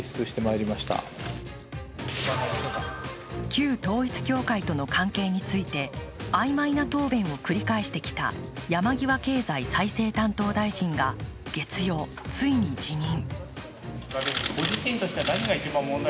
旧統一教会との関係について、曖昧な答弁を繰り返してきた山際経済再生担当大臣が月曜、ついに辞任。